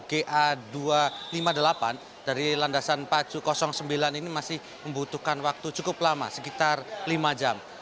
ga dua ratus lima puluh delapan dari landasan pacu sembilan ini masih membutuhkan waktu cukup lama sekitar lima jam